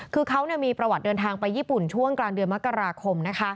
คือเขามีประวัติเดินทางไปญี่ปุ่นช่วงกลางเดือนมกราคม